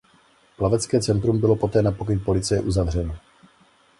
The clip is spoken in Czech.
Plavecké centrum bylo poté na pokyn policie uzavřeno.